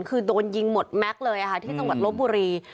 คือโดนยิงหมดแม็กซ์เลยอะฮะที่สมรรถลบบุรี